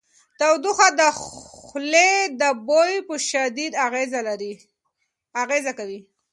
تودوخه د خولې د بوی په شدت اغېز کوي.